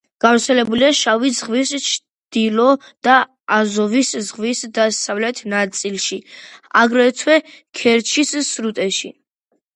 გავრცელებულია შავი ზღვის ჩრდილო და აზოვის ზღვის დასავლეთ ნაწილში, აგრეთვე ქერჩის სრუტეში.